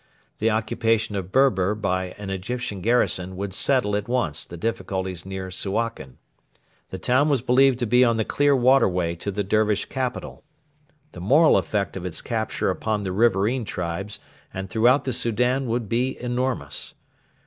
The occupation of Berber by an Egyptian garrison would settle at once the difficulties near Suakin. The town was believed to be on the clear waterway to the Dervish capital. The moral effect of its capture upon the riverain tribes and throughout the Soudan would be enormous.